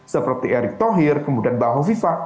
seperti erick thohir kemudian baha hovifa